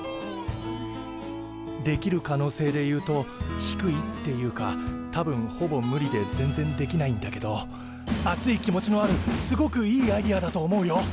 できる可能性で言うと低いっていうか多分ほぼ無理で全然できないんだけど熱い気持ちのあるすごくいいアイデアだと思うよ！